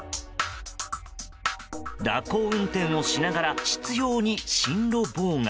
蛇行運転をしながら執拗に進路妨害。